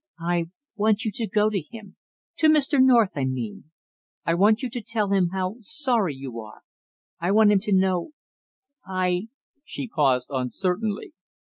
"I want you to go to him to Mr. North, I mean. I want you to tell him how sorry you are; I want him to know I " she paused uncertainly.